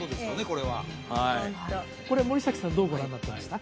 これははいこれ森崎さんどうご覧になってました？